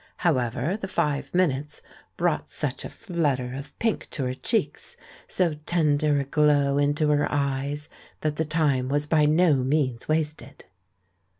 However, the five minutes brought such a flutter of pink to her cheeks, so tender a glow into her eyes, that the time was by no means wasted.